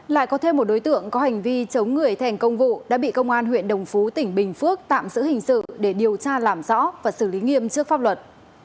lại có thêm một đối tượng có hành vi chống người thành công vụ đã bị công an huyện đồng phú tỉnh bình phước tạm giữ hình sự để điều tra làm rõ và xử lý nghiêm trước pháp luật